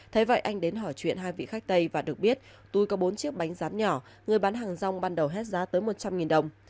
thế vậy anh đến hỏi chuyện hai vị khách tây và được biết túi có bốn chiếc bánh rán nhỏ người bán hàng rong ban đầu hết giá tới một trăm linh đồng